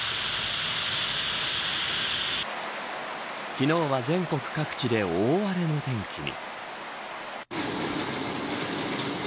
昨日は全国各地で大荒れの天気に。